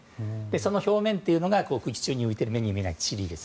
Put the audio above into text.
その表面というのが、空気中に浮いている目に見えないちりです。